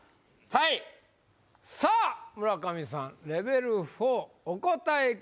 はいさあ村上さんレベル４お答え